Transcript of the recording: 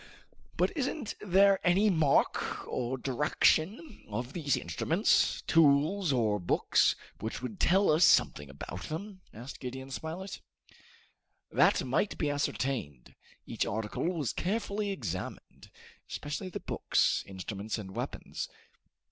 "But isn't there any mark or direction on these instruments, tools, or books, which would tell us something about them?" asked Gideon Spilett. That might be ascertained. Each article was carefully examined, especially the books, instruments and weapons.